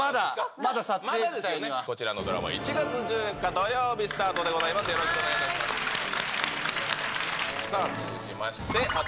まだ、撮影自体は。こちらのドラマ、１月１４日土曜日スタートでございます。